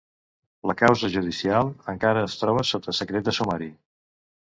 La causa judicial encara es troba sota secret de sumari.